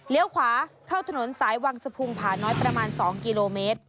เลี้ยวขวาเข้าถนนสายวังสภูมิผ่าน้อยประมาณ๒กิโลเมตร